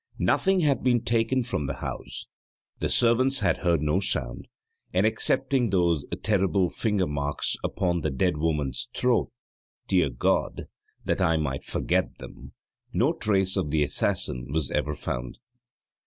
< 2 > Nothing had been taken from the house, the servants had heard no sound, and excepting those terrible finger marks upon the dead woman's throat dear God! that I might forget them! no trace of the assassin was ever found.